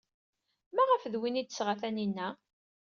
Maɣef d win ay d-tesɣa Taninna?